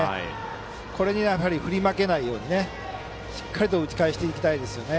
これに振り負けないようにしっかりと打ち返していきたいですね。